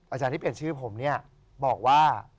อาจารย์ที่เปลี่ยนชื่อผมเนี่ยบอกว่า